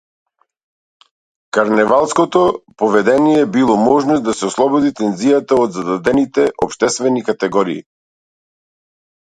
Карневалското поведение било можност да се ослободи тензијата од зададените општествени категории.